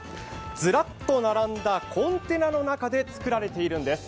ずらっと並んだコンテナの中で作られているんです。